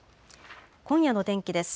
今夜の天気です。